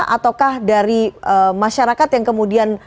ataukah dari masyarakat yang kemudian